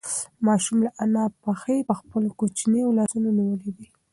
ماشوم د انا پښې په خپلو کوچنیو لاسونو نیولې دي.